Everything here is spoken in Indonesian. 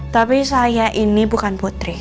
tapi saya ini bukan putri